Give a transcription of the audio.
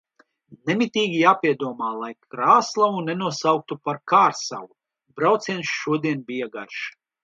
Nemitīgi jāpiedomā, lai Krāslavu nenosauktu par Kārsavu. Brauciens šodien bija garš.